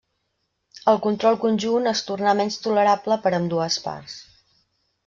El control conjunt es tornà menys tolerable per a ambdues parts.